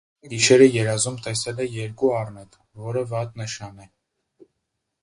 Քաղաքագլուխը գիշերը երազում տեսել է երկու առնետ, որը վատ նշան է։